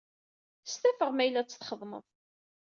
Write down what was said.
StafeƔ ma yella ad t-txedmeḍ.